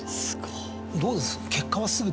どうです？